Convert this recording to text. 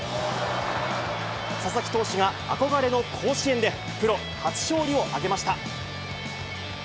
佐々木投手が、憧れの甲子園でプロ初勝利を挙げました。